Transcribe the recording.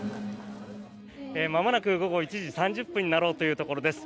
まもなく午後１時３０分になろうというところです。